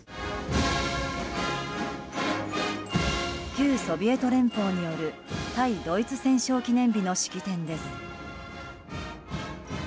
旧ソビエト連邦による対ドイツ戦勝記念日の式典です。